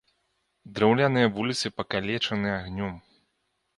Драўляныя вуліцы пакалечаны агнём.